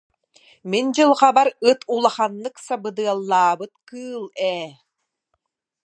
Мин дьылҕабар ыт улаханнык сабыдыаллаабыт кыыл ээ